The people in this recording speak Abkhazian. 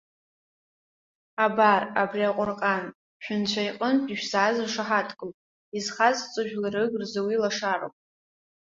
Абар, абри Аҟәырҟан, шәынцәа иҟынтә ишәзааз ршаҳаҭгоуп, иазхазҵо жәларык рзы уи лашароуп.